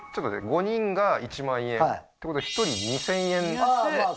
５人が１万円ってことは１人２０００円まあ